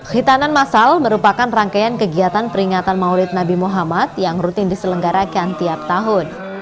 hitanan masal merupakan rangkaian kegiatan peringatan maulid nabi muhammad yang rutin diselenggarakan tiap tahun